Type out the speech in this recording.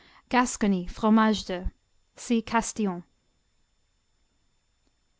Gascony, Fromage de _see Castillon.